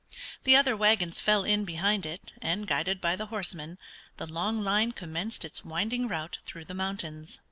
The other wagons fell in behind it, and guided by the horsemen, the long line commenced its winding route through the mountains.